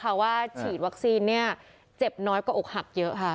เพราะว่าฉีดวัคซีนเจ็บน้อยก็อกหักเยอะค่ะ